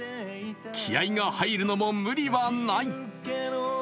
気合いが入るのも無理はない。